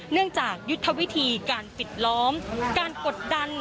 เนื่องจากยุทธวิธีการปิดล้อมการกดดัน